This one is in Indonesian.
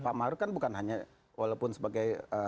pak maruf kan bukan hanya walaupun sebagai